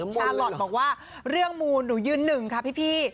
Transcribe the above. ชาลอทบอกว่าเรื่องมูลหนูยืนหนึ่งค่ะพี่